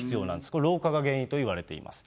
これ、老化が原因といわれています。